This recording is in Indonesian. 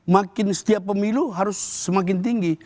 makin setiap pemilu harus semakin tinggi